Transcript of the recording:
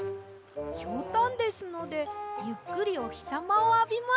ひょうたんですのでゆっくりおひさまをあびます。